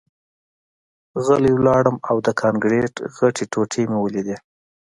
غلی لاړم او د کانکریټ غټې ټوټې مې ولیدې